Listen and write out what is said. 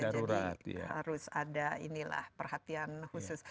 jadi harus ada inilah perhatian khusus